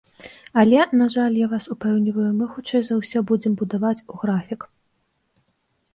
Але, на жаль, я вас упэўніваю, мы, хутчэй за ўсё, будзем будаваць у графік.